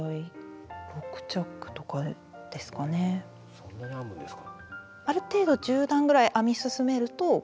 そんなに編むんですか。